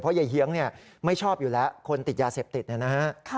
เพราะยายเฮียงไม่ชอบอยู่แล้วคนติดยาเสพติดนี่นะครับ